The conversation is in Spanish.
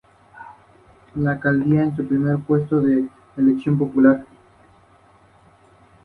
Su fauna es pobre.